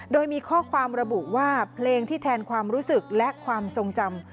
โดยมีข้อความระบุว่าเพลงที่แทนความรู้สึกและความทรงจำ